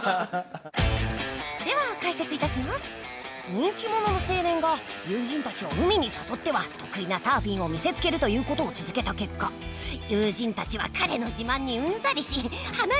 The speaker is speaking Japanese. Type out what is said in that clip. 「人気者の青年が友人たちを海に誘っては得意なサーフィンを見せつけるという事を続けた結果友人たちは彼の自慢にうんざりし離れていってしまった。